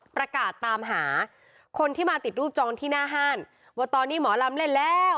ประกาศตามหาคนที่มาติดรูปจองที่หน้าห้านว่าตอนนี้หมอลำเล่นแล้ว